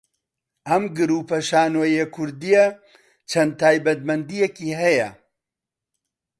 ئەم گروپە شانۆیییە کوردییە چەند تایبەتمەندییەکی هەیە